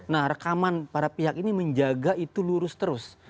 nah rekaman para pihak ini menjaga itu lurus terus